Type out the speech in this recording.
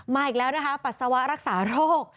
อีกแล้วนะคะปัสสาวะรักษาโรค